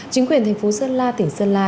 chính quyền thành phố sơn la tỉnh sơn la